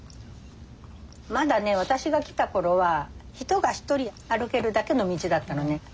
まだね私が来た頃は人が一人歩けるだけの道だったのね。